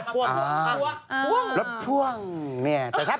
พ่วงเอาเล่นกับเสียงเหมือนบ่งลูกภาพ